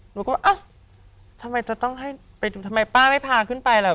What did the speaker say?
หนูก็เอ้าทำไมจะต้องให้ไปดูทำไมป้าไม่พาขึ้นไปล่ะ